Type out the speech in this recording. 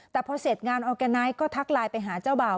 แต่พอเสร็จงานออร์แกไนท์ก็ทักไลน์ไปหาเจ้าบ่าว